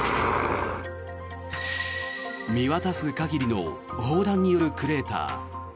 見渡す限りの砲弾によるクレーター。